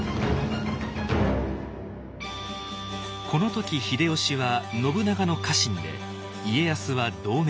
この時秀吉は信長の家臣で家康は同盟者。